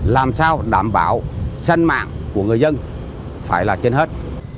làm sao đảm bảo xanh mạng của người dân phải là trên hết